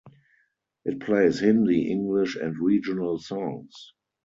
It plays Hindi, English and regional songs.